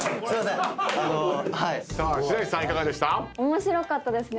面白かったです。